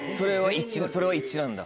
それは一致なんだ。